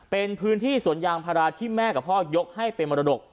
เป็นพื้นที่สวนยางพาราที่แม่กับพ่อยกให้เป็นมรดก